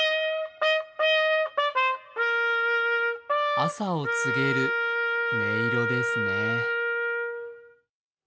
朝を告げる音色ですね。